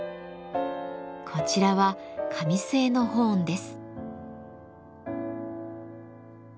こちらは紙製のホーンです。